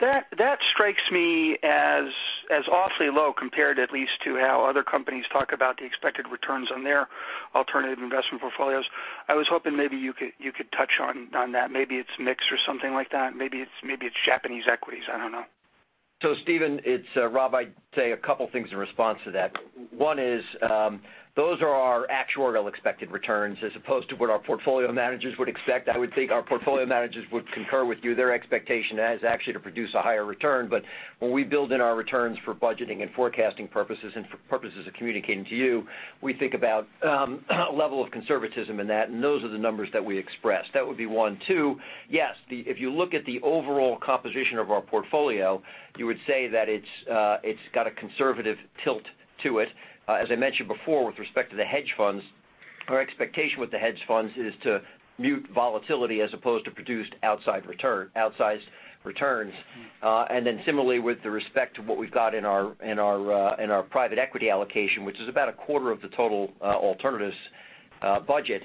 That strikes me as awfully low compared at least to how other companies talk about the expected returns on their alternative investment portfolios. I was hoping maybe you could touch on that. Maybe it's mixed or something like that. Maybe it's Japanese equities. I don't know. Steven, it's Rob. I'd say a couple things in response to that. One is, those are our actuarial expected returns as opposed to what our portfolio managers would expect. I would think our portfolio managers would concur with you. Their expectation is actually to produce a higher return. When we build in our returns for budgeting and forecasting purposes and for purposes of communicating to you, we think about level of conservatism in that, those are the numbers that we express. That would be one. Two, yes, if you look at the overall composition of our portfolio, you would say that it's got a conservative tilt to it. As I mentioned before, with respect to the hedge funds, our expectation with the hedge funds is to mute volatility as opposed to produced outsized returns. Similarly, with respect to what we've got in our private equity allocation, which is about a quarter of the total alternatives budget,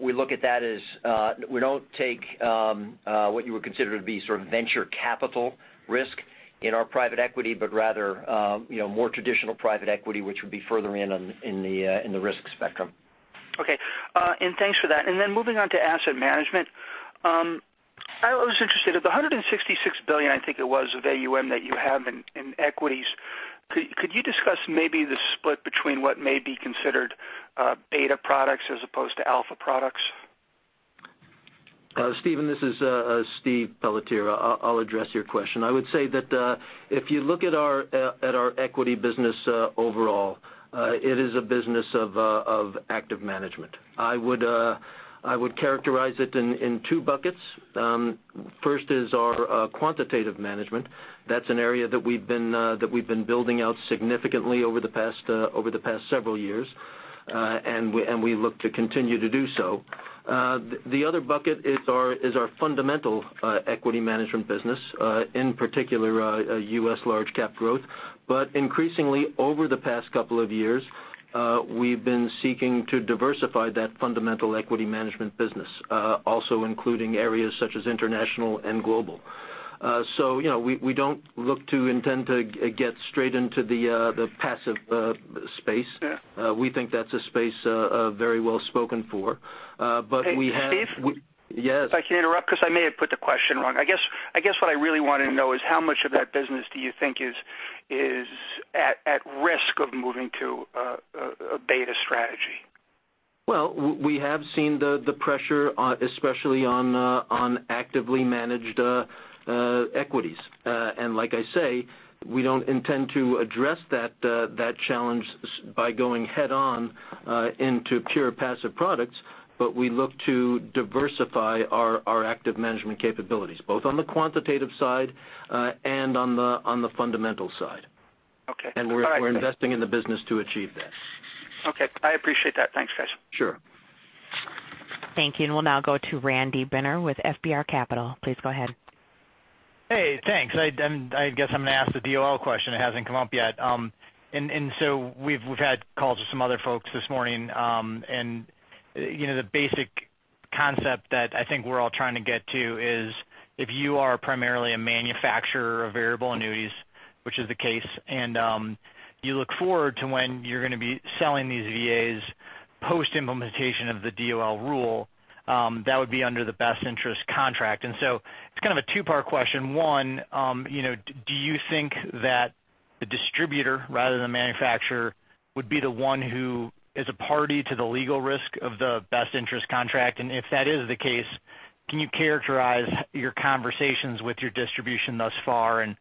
we look at that as we don't take what you would consider to be sort of venture capital risk in our private equity, but rather more traditional private equity, which would be further in on the risk spectrum. Okay. Thanks for that. Moving on to asset management. I was interested, of the $166 billion, I think it was, of AUM that you have in equities, could you discuss maybe the split between what may be considered beta products as opposed to alpha products? Steven, this is Steph Pelletier. I'll address your question. I would say that if you look at our equity business overall, it is a business of active management. I would characterize it in two buckets. First is our quantitative management. That's an area that we've been building out significantly over the past several years. We look to continue to do so. The other bucket is our fundamental equity management business, in particular U.S. large cap growth. Increasingly over the past couple of years, we've been seeking to diversify that fundamental equity management business, also including areas such as international and global. We don't look to intend to get straight into the passive space. Yeah. We think that's a space very well spoken for. Hey, Steve? Yes. If I can interrupt because I may have put the question wrong. I guess what I really wanted to know is how much of that business do you think is at risk of moving to a beta strategy? Well, we have seen the pressure especially on actively managed equities. Like I say, we don't intend to address that challenge by going head-on into pure passive products, we look to diversify our active management capabilities, both on the quantitative side and on the fundamental side. Okay. We're investing in the business to achieve that. Okay. I appreciate that. Thanks, guys. Sure. Thank you. We'll now go to Randy Binner with FBR Capital. Please go ahead. Hey, thanks. I guess I'm going to ask the DOL question. It hasn't come up yet. We've had calls with some other folks this morning, and the basic concept that I think we're all trying to get to is if you are primarily a manufacturer of variable annuities, which is the case, and you look forward to when you're going to be selling these VAs post-implementation of the DOL rule, that would be under the best interest contract. It's kind of a two-part question. One, do you think that the distributor, rather than manufacturer, would be the one who is a party to the legal risk of the best interest contract? If that is the case, can you characterize your conversations with your distribution thus far and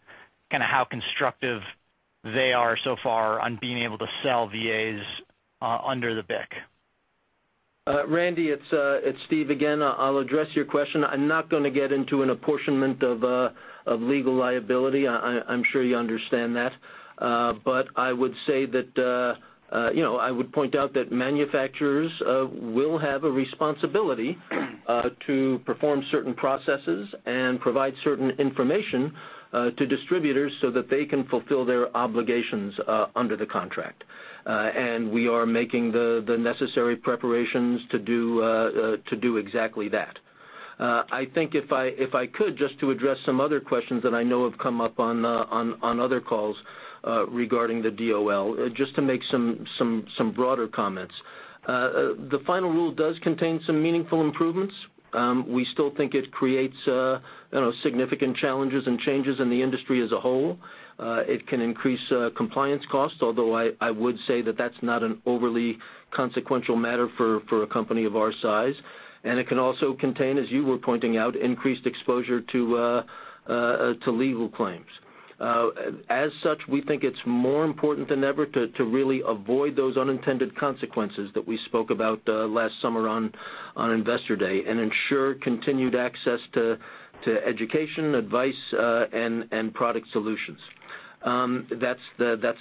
kind of how constructive they are so far on being able to sell VAs under the BIC? Randy, it's Steve again. I'll address your question. I'm not going to get into an apportionment of legal liability. I'm sure you understand that. I would point out that manufacturers will have a responsibility to perform certain processes and provide certain information to distributors so that they can fulfill their obligations under the contract. We are making the necessary preparations to do exactly that. I think if I could, just to address some other questions that I know have come up on other calls regarding the DOL, just to make some broader comments. The final rule does contain some meaningful improvements. We still think it creates significant challenges and changes in the industry as a whole. It can increase compliance costs, although I would say that that's not an overly consequential matter for a company of our size. It can also contain, as you were pointing out, increased exposure to legal claims. We think it's more important than ever to really avoid those unintended consequences that we spoke about last summer on Investor Day and ensure continued access to education, advice, and product solutions. That's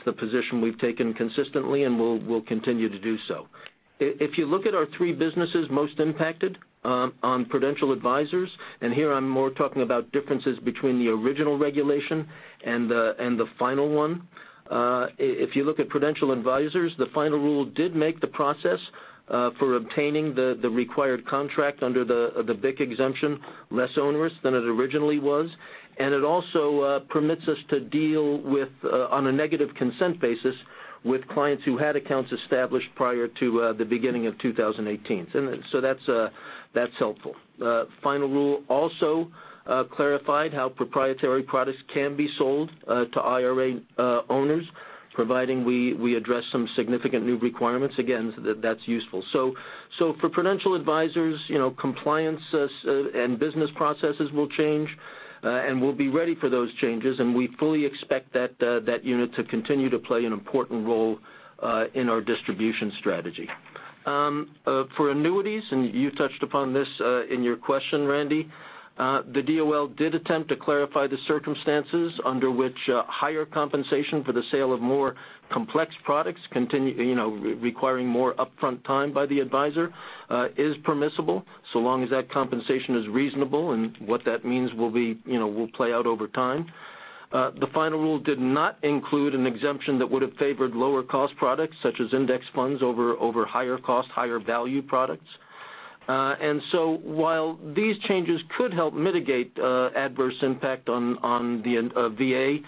the position we've taken consistently, and we'll continue to do so. If you look at our three businesses most impacted on Prudential Advisors, and here I'm more talking about differences between the original regulation and the final one. If you look at Prudential Advisors, the final rule did make the process for obtaining the required contract under the BIC exemption less onerous than it originally was, and it also permits us to deal with, on a negative consent basis, with clients who had accounts established prior to the beginning of 2018. That's helpful. The final rule also clarified how proprietary products can be sold to IRA owners, providing we address some significant new requirements. Again, that's useful. For Prudential Advisors, compliance and business processes will change, and we'll be ready for those changes. We fully expect that unit to continue to play an important role in our distribution strategy. For annuities, and you touched upon this in your question, Randy, the DOL did attempt to clarify the circumstances under which higher compensation for the sale of more complex products requiring more upfront time by the advisor is permissible, so long as that compensation is reasonable, and what that means will play out over time. The final rule did not include an exemption that would have favored lower cost products such as index funds over higher cost, higher value products. While these changes could help mitigate adverse impact on VA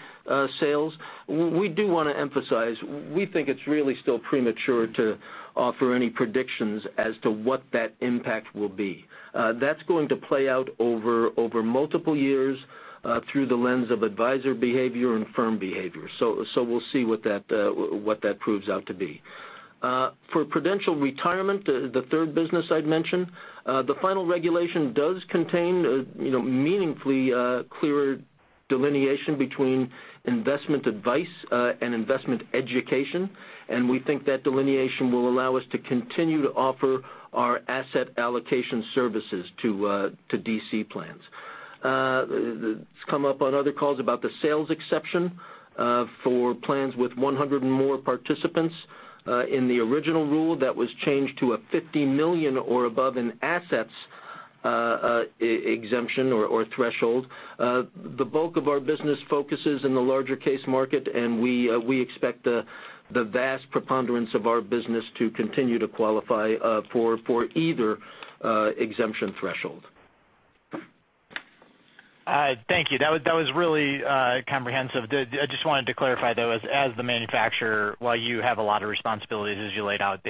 sales, we do want to emphasize, we think it's really still premature to offer any predictions as to what that impact will be. That's going to play out over multiple years through the lens of advisor behavior and firm behavior. We'll see what that proves out to be. For Prudential Retirement, the third business I'd mentioned, the final regulation does contain meaningfully clearer delineation between investment advice and investment education, and we think that delineation will allow us to continue to offer our asset allocation services to DC plans. It's come up on other calls about the sales exception for plans with 100 and more participants. In the original rule, that was changed to a $50 million or above in assets exemption or threshold. The bulk of our business focus is in the larger case market, we expect the vast preponderance of our business to continue to qualify for either exemption threshold. Thank you. That was really comprehensive. I just wanted to clarify, though, as the manufacturer, while you have a lot of responsibilities as you laid out,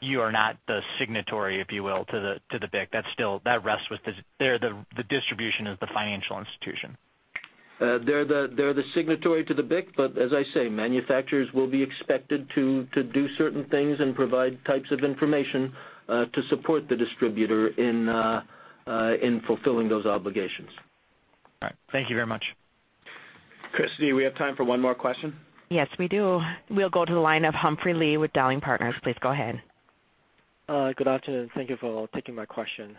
you are not the signatory, if you will, to the BIC. That rests with the distribution of the financial institution. They're the signatory to the BIC, but as I say, manufacturers will be expected to do certain things and provide types of information to support the distributor in fulfilling those obligations. All right. Thank you very much. Christy, we have time for one more question? Yes, we do. We'll go to the line of Humphrey Lee with Dowling & Partners. Please go ahead. Good afternoon. Thank you for taking my question.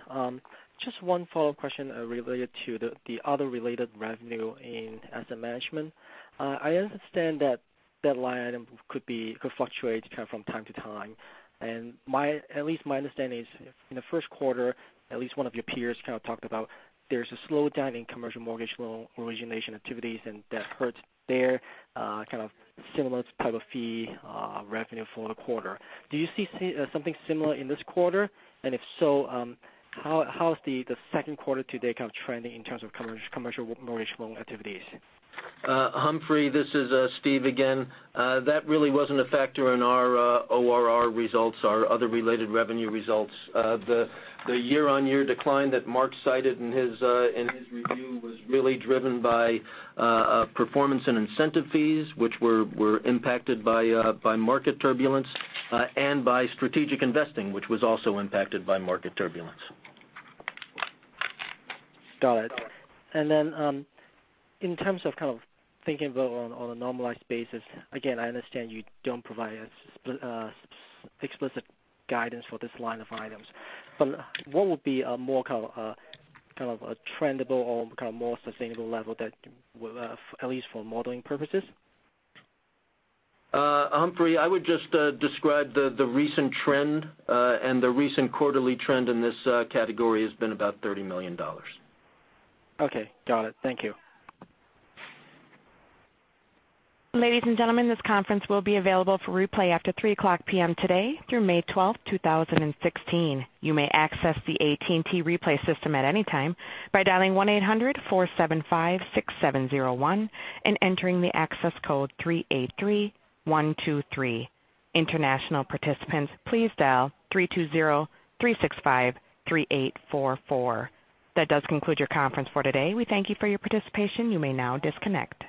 Just one follow-up question related to the other related revenue in asset management. I understand that that line item could fluctuate from time to time. At least my understanding is, in the first quarter, at least one of your peers kind of talked about there's a slowdown in commercial mortgage loan origination activities, and that hurts their kind of similar type of fee revenue for the quarter. Do you see something similar in this quarter? If so, how's the second quarter to date kind of trending in terms of commercial mortgage loan activities? Humphrey, this is Steve again. That really wasn't a factor in our ORR results, our other related revenue results. The year-on-year decline that Mark cited in his review was really driven by performance and incentive fees, which were impacted by market turbulence, and by strategic investing, which was also impacted by market turbulence. Got it. Then, in terms of kind of thinking about it on a normalized basis, again, I understand you don't provide us explicit guidance for this line of items, but what would be a more kind of trendable or kind of more sustainable level, at least for modeling purposes? Humphrey, I would just describe the recent trend, the recent quarterly trend in this category has been about $30 million. Okay. Got it. Thank you. Ladies and gentlemen, this conference will be available for replay after 3:00 P.M. today through May 12, 2016. You may access the AT&T replay system at any time by dialing 1-800-475-6701 and entering the access code 383123. International participants, please dial 320-365-3844. That does conclude your conference for today. We thank you for your participation. You may now disconnect.